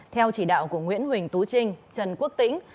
theo chỉ đạo của nguyễn huỳnh tú trinh trần quốc tĩnh